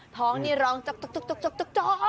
ท้องนี่ร้องจ๊อก